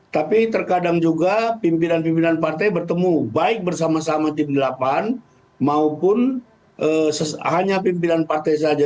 tapi terkadang juga pimpinan pimpinan partai bertemu baik bersama sama tim delapan maupun hanya pimpinan partai saja